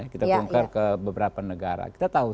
kita bongkar ke beberapa negara kita tahu